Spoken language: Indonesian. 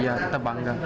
iya tetap bangga